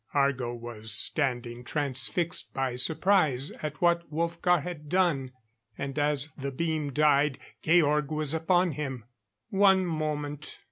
Argo was standing transfixed by surprise at what Wolfgar had done; and as the beam died, Georg was upon him. "One moment!"